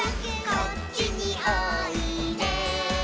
「こっちにおいで」